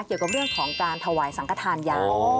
เกี่ยวกับเรื่องของการถวายสังขทานยา